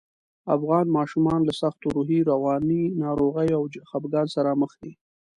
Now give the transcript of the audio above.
افغان ماشومان له سختو روحي، رواني ناروغیو او خپګان سره مخ دي